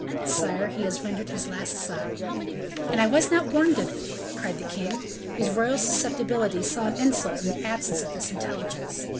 "Sire, he has rendered his last sigh." "And I was not warned of it!" cried the king, whose royal susceptibility saw an insult in the absence of this intelligence.